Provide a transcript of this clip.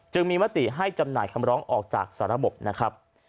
จึงมีมติให้จำหน่ายคำร้องออกจากสารบนะครับ